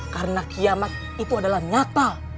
karena kiamat itu adalah nyata